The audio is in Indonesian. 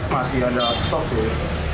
masih ada stop sih